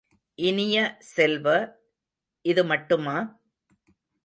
இனிய செல்வ, இது மட்டுமா?